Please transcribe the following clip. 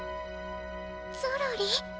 ゾロリ？